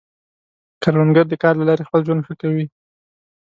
کروندګر د کار له لارې خپل ژوند ښه کوي